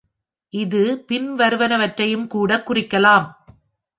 இது பின்வருவனவற்றையும்கூட குறிக்கலாம்.